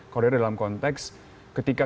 koridor dalam konteks ketika